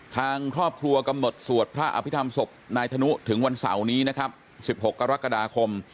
ทางครอบครัวกำหนดสวดพระอภิษฐรรมศพนายธนุถึงวันเสาร์นี้นะครับ๑๖กรกฎาคม